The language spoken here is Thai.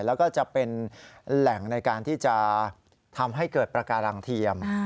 แล้วก็จะเป็นแหล่งในการที่จะทำให้เกิดประการังเทียม